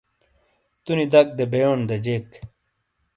تُو نی دَک دے بئیون دا جیک۔